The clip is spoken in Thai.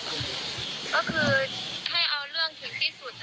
ก็คือให้เอาเรื่องถึงที่สุด